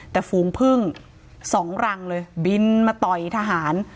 แต่ฝูงพึ่ง๒รังเลยบินมาต่อยทหาร